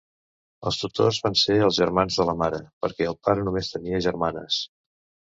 Els tutors van ser els germans de la mare, perquè el pare només tenia germanes.